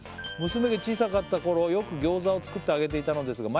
「娘が小さかった頃よく餃子を作ってあげていたのですが」